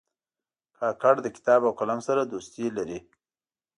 کاکړ له کتاب او قلم سره دوستي لري.